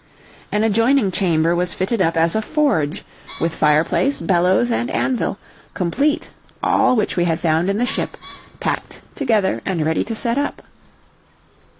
An adjoining chamber was fitted up as a forge, with fireplace, bellows, and anvil, complete, all which we had found in the ship, packed, together, and ready to set up.